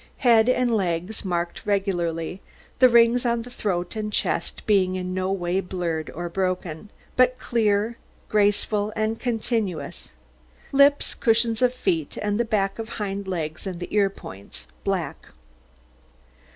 Head and legs marked regularly, the rings on the throat and chest being in no way blurred or broken, but clear, graceful, and continuous; lips, cushions of feet, and the backs of hind legs, and the ear points, black.